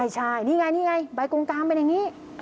ใช่นี่ไงใบกงตามเป็นอย่างนี้